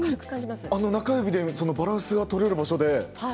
中指でバランスが取れる場所で。